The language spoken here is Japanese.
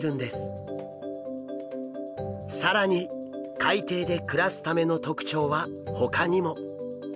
更に海底で暮らすための特徴はほかにも。